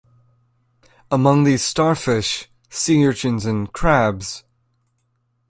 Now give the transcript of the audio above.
Among these starfish, sea urchins and crabs.